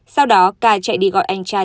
sau đó k chạy đi gọi anh trai